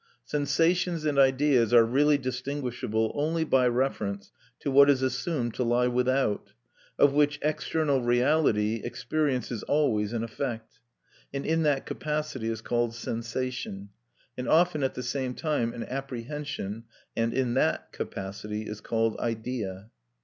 Sensations and ideas are really distinguishable only by reference to what is assumed to lie without; of which external reality experience is always an effect (and in that capacity is called sensation) and often at the same time an apprehension (and in that capacity is called idea).